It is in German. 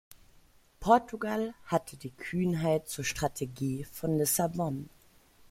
Portugal hatte die Kühnheit zur Strategie von Lissabon.